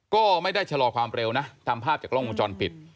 ก็ไม่ได้ชะลอความเร็วนะตามภาพจากกล้องวงจรปิด